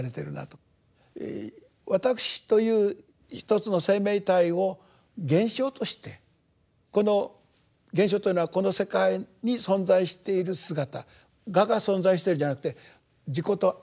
わたくしというひとつの生命体を「現象」としてこの現象というのはこの世界に存在している姿我が存在してるんじゃなくて自己と